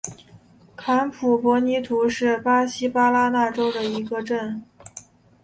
坎普博尼图是巴西巴拉那州的一个市镇。